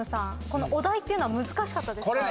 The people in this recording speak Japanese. このお題っていうのは難しかったですか？